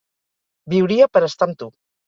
Viuria per estar amb tu.